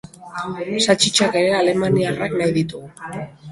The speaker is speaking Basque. Saltxitxak ere alemaniarrak nahi ditugu.